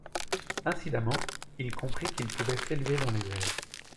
Incidemment il comprit qu’il pouvait s’élever dans les airs.